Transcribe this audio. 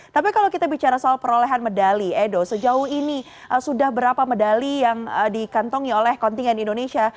tapi kalau kita bicara soal perolehan medali edo sejauh ini sudah berapa medali yang dikantongi oleh kontingen indonesia